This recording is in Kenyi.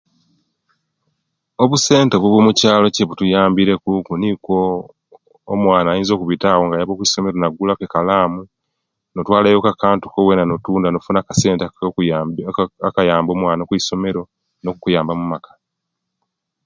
Obusenta bwa'mukyaalo ekyebutuyambirekuku nikwo omwaana ayinza okubita awo nga ayaba kwisomero nagulaku ekalamu notwalayoku wena akanti ko wena notunda nofuna yo akasente akayba omwana okwisomero no'kuyamba omumaka